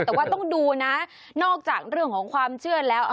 แต่ว่าต้องดูนะนอกจากเรื่องของความเชื่อแล้ว